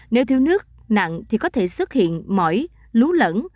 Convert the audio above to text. nếu thiếu nước nặng thì có thể xuất hiện mỏi lú lẫn